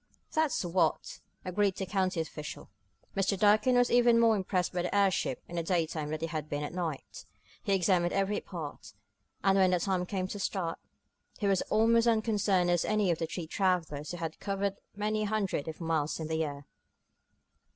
"That's what!" agreed the county official. Mr. Durkin was even more impressed by the airship in the daytime than he had been at night. He examined every part, and when the time came to start, he was almost as unconcerned as any of the three travelers who had covered many hundreds of miles in the air.